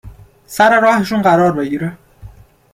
.سر راهشون قرار بگیره